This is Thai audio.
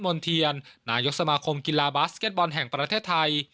น์เทียนนายกสมาคมกีฬาบาสเก็ตบอลแห่งประเทศไทย